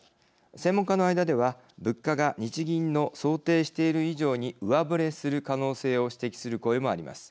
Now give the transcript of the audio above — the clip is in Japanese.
専門家の間では物価が日銀の想定している以上に上振れする可能性を指摘する声もあります。